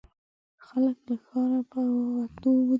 خلک له ښاره په وتو دي.